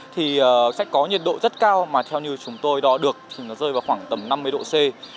thì sẽ có nhiệt độ rất cao mà theo như chúng tôi đo được thì nó rơi vào khoảng tầm năm mươi độ c